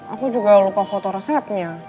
aku juga lupa foto resepnya